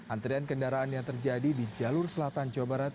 antrian kendaraan yang terjadi di jalur selatan jawa barat